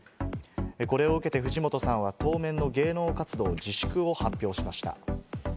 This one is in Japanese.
これを受けて、藤本さんは当面の芸能活動自粛を発表しました。